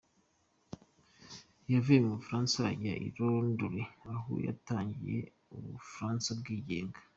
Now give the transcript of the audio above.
Yavuye mu Bufaransa ajya i Londres aho yatangije u Bufaransa bwigenga.’’